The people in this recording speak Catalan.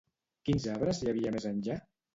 Quins arbres hi havia més enllà?